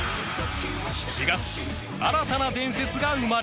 ７月新たな伝説が生まれる